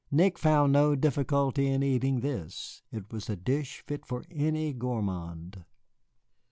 Nick found no difficulty in eating this it was a dish fit for any gourmand.